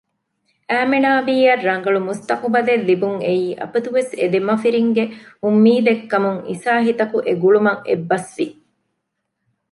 އައިމިނާބީއަށް ރަނގަޅު މުސްތަޤުބަލެއް ލިބުންއެއީ އަބަދުވެސް އެދެމަފިރިންގެ އުންމީދެއްކަމުން އިސާހިތަކު އެގުޅުމަށް އެއްބަސްވި